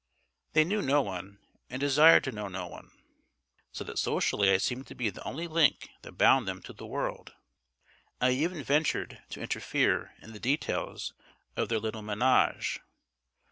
They knew no one, and desired to know no one; so that socially I seemed to be the only link that bound them to the world. I even ventured to interfere in the details of their little menage.